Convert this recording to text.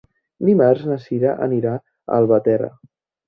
Dimarts na Sira anirà a Albatera.